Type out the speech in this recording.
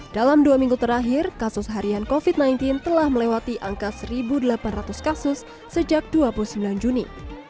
dalam dua minggu terakhir kasus harian covid sembilan belas telah melewati angka satu delapan ratus kasus sejak dua puluh sembilan juni